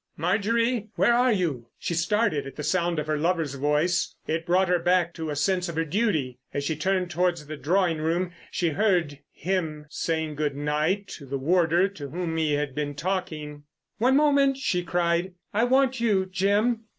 "Marjorie—where are you?" She started at the sound of her lover's voice. It brought her back to a sense of her duty. As she turned towards the drawing room she heard—him saying good night to the warder to whom he had been talking. "One moment," she cried, "I want you, Jim."